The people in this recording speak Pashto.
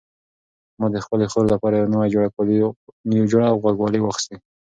ما د خپلې خور لپاره یو نوی جوړه غوږوالۍ واخیستې.